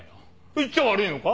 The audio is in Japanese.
言っちゃ悪いのか？